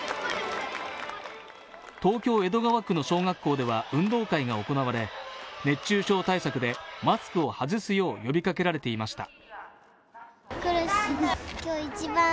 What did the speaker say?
東京・江戸川区の小学校では運動会が行われ熱中症対策でマスクを外すよう呼びかけられていました。